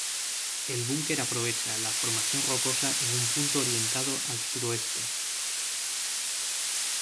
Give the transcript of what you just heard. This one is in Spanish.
El búnker aprovecha la formación rocosa en un punto orientado al suroeste.